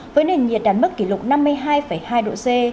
với nền nhiệt đắn mức kỷ lục năm mươi hai hai độ c